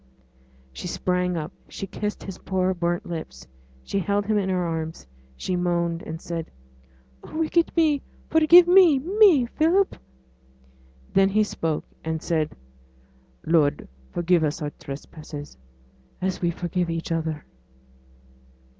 She sprang up, she kissed his poor burnt lips; she held him in her arms, she moaned, and said, 'Oh, wicked me! forgive me me Philip!' Then he spoke, and said, 'Lord, forgive us our trespasses as we forgive each other!'